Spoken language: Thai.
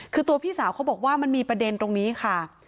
คือตัวพี่สาวเขาบอกว่ามันมีประเด็นตรงนี้ค่ะ